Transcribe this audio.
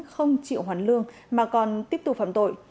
không chịu hoàn lương mà còn tiếp tục phạm tội